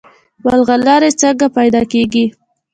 ملغلرې څنګه پیدا کیږي؟